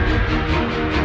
aku mau pergi